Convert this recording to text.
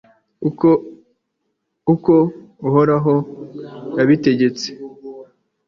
uko uhoraho yabitegetse